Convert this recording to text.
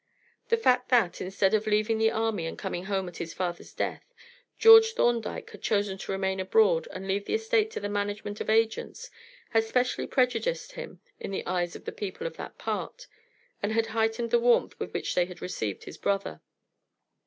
The fact that, instead of leaving the army and coming home at his father's death, George Thorndyke had chosen to remain abroad and leave the estate to the management of agents, had specially prejudiced him in the eyes of the people of that part, and had heightened the warmth with which they had received his brother.